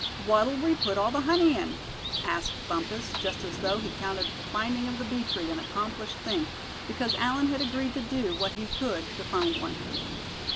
"What'll we put all the honey in?" asked Bumpus, just as though he counted the finding of the bee tree an accomplished thing, because Allan had agreed to do what he could to find one.